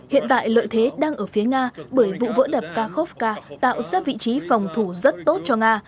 hiện tại lợi thế đang ở phía nga bởi vụ vỡ đập kharkovka tạo ra vị trí phòng thủ rất tốt cho nga